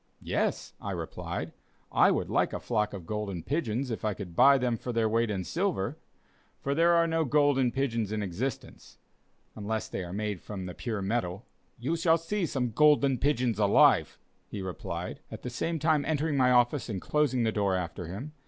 "Yes," I replied, "I would like a flock of golden pigeons, if I could buy them for their weight in silver; for there are no 'golden' pigeons in existence, unless they are made from the pure metal." "You shall see some golden pigeons alive," he replied, at the same time entering my office, and closing the door after him.